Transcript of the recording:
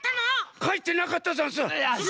かいてなかったざんす。